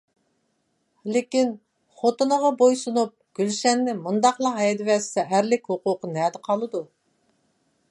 لېكىن خوتۇنىغا بويسۇنۇپ، گۈلشەننى مۇنداقلا ھەيدىۋەتسە ئەرلىك ھوقۇقى نەدە قالىدۇ؟